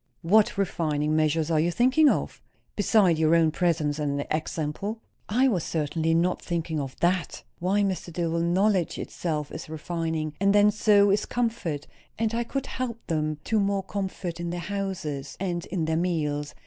"What refining measures are you thinking of? beside your own presence and example." "I was certainly not thinking of that. Why, Mr. Dillwyn, knowledge itself is refining; and then, so is comfort; and I could help them to more comfort, in their houses, and in their meals.